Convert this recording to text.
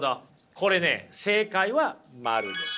これね正解は○です。